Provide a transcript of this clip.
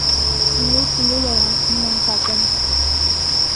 Luke Lutheran, en Manhattan.